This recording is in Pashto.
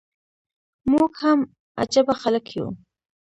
موږ هم عجبه خلک يو.